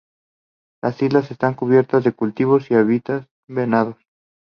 Las islas están cubiertas de cultivos y habitan venados.